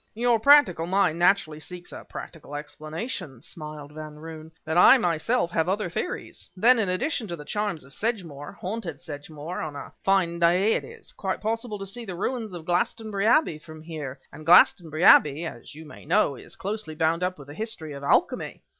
"Your practical mind naturally seeks a practical explanation," smiled Van Roon, "but I myself have other theories. Then in addition to the charms of Sedgemoor haunted Sedgemoor on a fine day it is quite possible to see the ruins of Glastonbury Abbey from here; and Glastonbury Abbey, as you may know, is closely bound up with the history of alchemy.